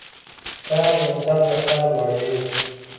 کار د انسان وقار لوړوي.